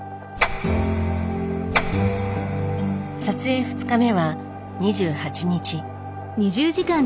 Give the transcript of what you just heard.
撮影２日目は２８日。